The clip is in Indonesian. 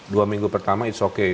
dua minggu pertama it's okay